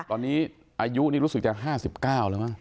ตอนนี้อายุนี่รู้สึกจะ๕๙แล้วมั้